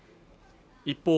一方